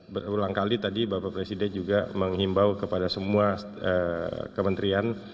berulang kali tadi bapak presiden juga menghimbau kepada semua kementerian